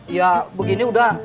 ya begini udah